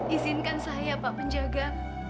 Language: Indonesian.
izinkan saya pak penjaga